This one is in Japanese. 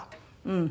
うん。